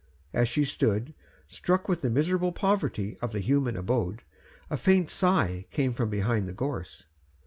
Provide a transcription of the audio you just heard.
As she stood, struck with the miserable poverty of the human abode, a faint sigh came from behind the gorse.